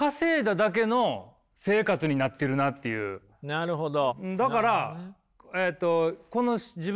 なるほど。